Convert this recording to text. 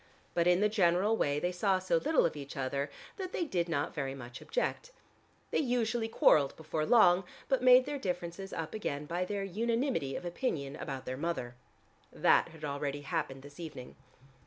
But in the general way they saw so little of each other, that they did not very much object. They usually quarreled before long, but made their differences up again by their unanimity of opinion about their mother. That had already happened this evening.